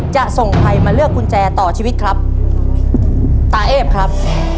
จะส่งใครมาเลือกกุญแจต่อชีวิตครับตาเอฟครับ